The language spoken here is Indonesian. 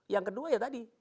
yang kedua ya tadi